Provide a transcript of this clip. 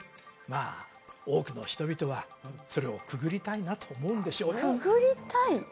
まあ多くの人々はそれをくぐりたいなと思うんでしょうくぐりたい？